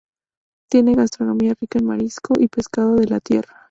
Tiene gastronomía rica en marisco y pescado de la tierra.